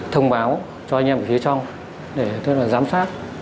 thông báo cho anh em ở phía trong để tức là giám sát